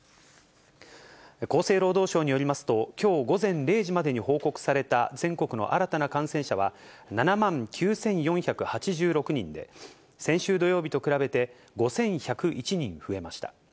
厚生労働省によりますと、きょう午前０時までに報告された全国の新たな感染者は、７万９４８６人で、先週土曜日と比べて５１０１人増えました。